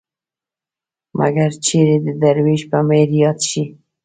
مګر چېرې د دروېش په مهر ياد شي